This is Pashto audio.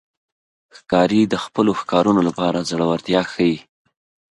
ښکاري د خپلو ښکارونو لپاره زړورتیا ښيي.